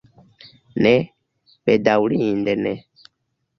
Ne, bedaŭrinde ne.